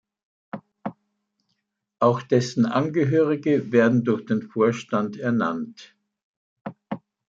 Auch dessen Angehörige werden durch den Vorstand ernannt.